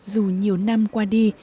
dù nhiều năm qua đi